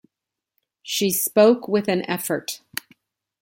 She spoke with an effort.